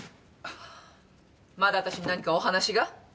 まだ私に何かお話が？